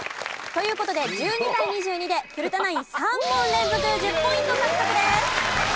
という事で１２対２２で古田ナイン３問連続１０ポイント獲得です。